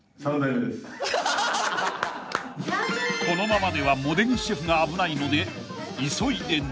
［このままでは茂出木シェフが危ないので急いで］